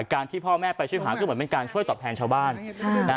การที่พ่อแม่ไปช่วยหาก็เหมือนเป็นการช่วยตอบแทนชาวบ้าน